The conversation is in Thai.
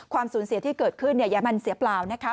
ความสูญเสียที่เกิดขึ้นมันเสียเปล่านะคะ